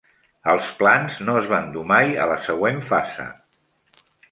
Els plans no es van dur mai a la següent fase.